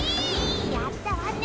やったわね！